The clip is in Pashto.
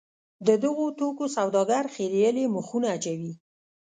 د دغو توکو سوداګر خریېلي مخونه اچوي.